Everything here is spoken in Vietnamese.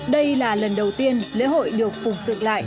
đây là lần đầu tiên lễ hội được phục dựng lại